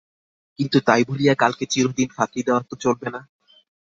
কিন্তু তাই বলিয়া কালকে চিরদিন ফাঁকি দেওয়া তো চলিবে না।